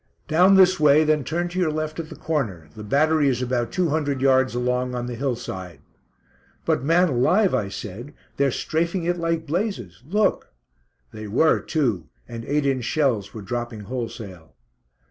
"Down this way, then turn to your left at the corner; the battery is about two hundred yards along on the hill side." "But, man alive," I said, "they're strafing it like blazes. Look!" They were, too, and 8 inch shells were dropping wholesale.